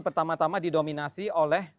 pertama tama didominasi oleh